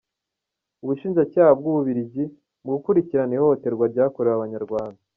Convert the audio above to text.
Ubushinjacyaha bw’u Bubiligi mu gukurikirana ihohoterwa ryakorewe Abanyarwanda